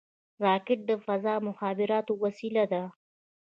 راکټ د فضا د مخابراتو وسیله ده